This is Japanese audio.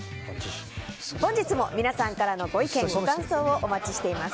本日も皆さんからのご意見ご感想をお待ちしております。